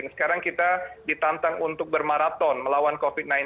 sekarang kita ditantang untuk bermaraton melawan covid sembilan belas